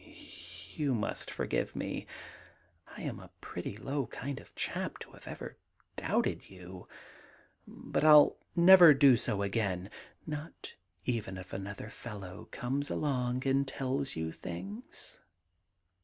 * You must forgive me. I am a pretty low kind of chap to have ever doubted you ; but I '11 never do so again.' *Not even if another fellow comes along and tells you things